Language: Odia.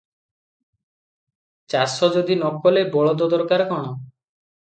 ଚାଷ ଯଦି ନ କଲେ ବଳଦ ଦରକାର କଣ?